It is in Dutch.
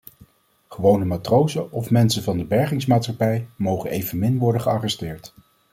Gewone matrozen of mensen van de bergingsmaatschappij mogen evenmin worden gearresteerd.